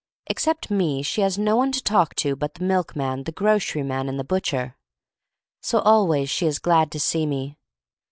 Except me she has no one to talk to but the milkman, the groceryman, and the butcher. So always she is glad to see me.